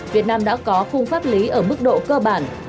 việt nam đã có khung pháp lý ở mức độ cơ bản